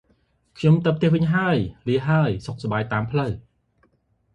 ខ្ញុំទៅផ្ទះវិញហើយ។ លាសិនហើយ។ សុខសប្បាយតាមផ្លូវ។